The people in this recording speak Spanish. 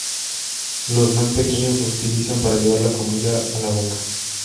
Los más pequeños los utilizan para llevar la comida a la boca.